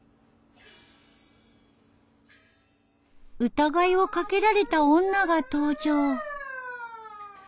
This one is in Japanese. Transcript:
疑いをかけられた女が登場。